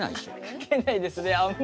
かけないですねあんまり。